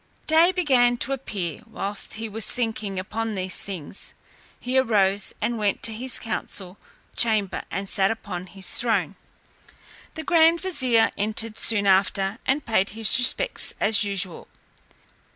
Day began to appear whilst he was thinking upon these things; he arose and went to his council chamber, and sat upon his throne. The grand vizier entered soon after, and paid his respects as usual.